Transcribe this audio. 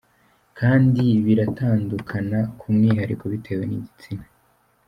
Kandi biratandukana ku mwihariko, bitewe n'igitsina.